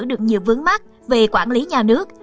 được nhiều vướng mắt về quản lý nhà nước